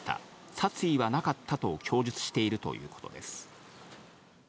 殺意はなかったと供述しているということです。